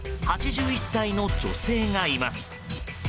８１歳の女性がいます。